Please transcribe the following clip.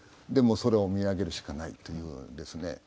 でもう空を見上げるしかないというですね。